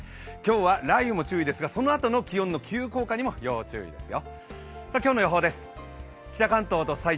今日は雷雨にも注意なんですがそのあとの気温の急降下にも注意が必要ですよ。